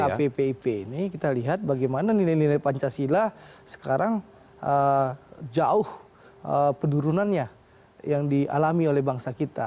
ya ukp pip ini kita lihat bagaimana nilai nilai pancasila sekarang jauh pendurunannya yang dialami oleh bangsa kita